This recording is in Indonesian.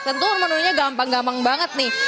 tentu menunya gampang gampang banget nih